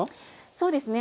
そうですね